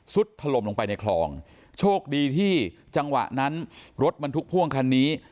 ถล่มลงไปในคลองโชคดีที่จังหวะนั้นรถบรรทุกพ่วงคันนี้